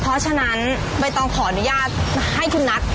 เพราะฉะนั้นใบตองขออนุญาตให้คุณนัท